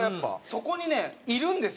そこにねいるんですよ。